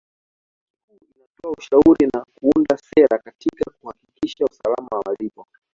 Benki Kuu inatoa ushauri na kuunda sera katika kuhakikisha usalama wa malipo